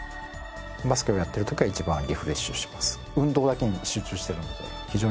バスケをやっている時は一番リフレッシュします。